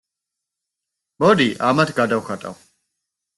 მოდი, ამათ გადავხატავ.